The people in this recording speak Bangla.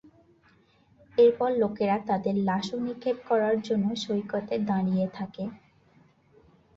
এরপর লোকেরা তাদের লাসো নিক্ষেপ করার জন্য সৈকতে দাঁড়িয়ে থাকে।